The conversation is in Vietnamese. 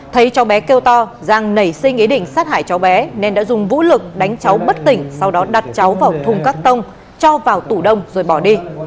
thấy cháu bé kêu to giang nảy sinh ý định sát hại cháu bé nên đã dùng vũ lực đánh cháu bất tỉnh sau đó đặt cháu vào thùng các tông cho vào tủ đông rồi bỏ đi